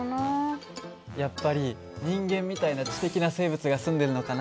やっぱり人間みたいな知的な生物が住んでるのかな。